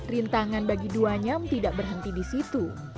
rintangan bagi duanyam tidak berhenti di situ